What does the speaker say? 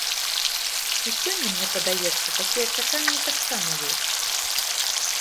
І сёння мне падаецца такія чаканні таксама ёсць.